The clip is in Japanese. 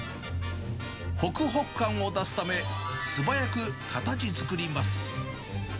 ほくほく感を出すため、素早く形作ります。